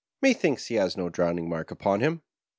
" ^Methinks he hath no drowning mark upon him.'"